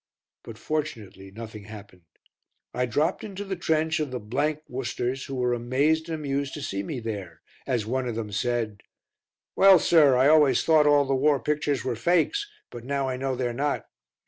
But, fortunately, nothing happened. I dropped into the trench of the Worcesters who were amazed and amused to see me there, as one of them said: "Well, sir, I always thought all the War pictures were fakes, but now I know they're not.